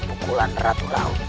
pukulan ratu laut